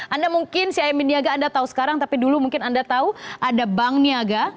anda mungkin cimb niaga anda tahu sekarang tapi dulu mungkin anda tahu ada bank niaga